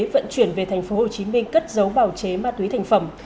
vận chuyển về tp hcm cất dấu bào chế mà tùy thành phẩm